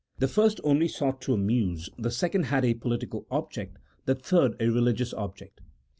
The first only sought to amuse, the second had a political object, the third a religious object.